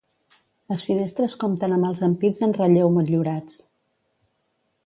Les finestres compten amb els ampits en relleu motllurats.